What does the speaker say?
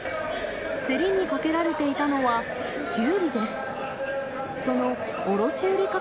競りにかけられていたのはキュウリです。